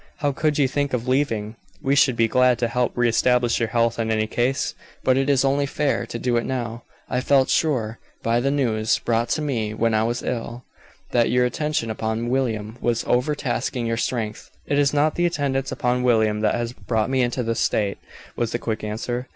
"How could you think of leaving? We should be glad to help re establish your health, in any case, but it is only fair to do it now. I felt sure, by the news brought to me when I was ill, that your attention upon William was overtasking your strength." "It is not the attendance upon William that has brought me into this state," was the quick answer.